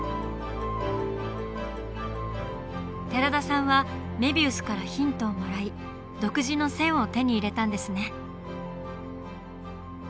寺田さんはメビウスからヒントをもらい独自の線を手に入れたんですね。